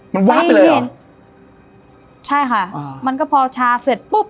มันวาบไปเลยเหรอใช่ค่ะมันก็พอช้าเสร็จปุ๊บ